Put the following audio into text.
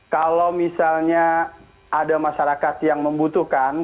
kalau misalnya ada masyarakat yang membutuhkan